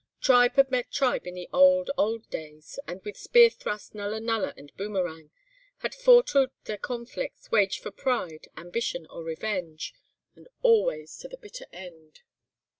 "Tribe had met tribe in the old, old days, and with spear thrust, nulla nulla and boomerang, had fought oot their conflicts, waged for pride, ambition or revenge. And always to the bitter end!